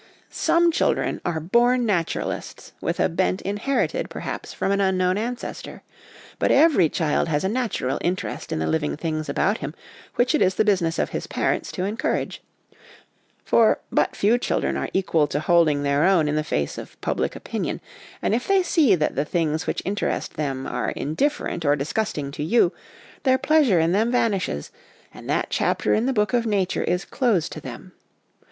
Some children are born naturalists, with a bent in herited, perhaps, from an unknown ancestor; but every child has a natural interest in the living things about him which it is the business of his parents to encourage ; for, but few children are equal to holding their own in the face of public opinion ; and if they see that the things which interest them are indifferent or disgusting to you, their pleasure in them vanishes, and that chapter in the book of Nature is closed to them.